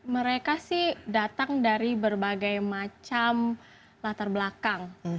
mereka sih datang dari berbagai macam latar belakang